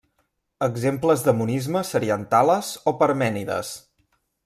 Exemples de monisme serien Tales o Parmènides.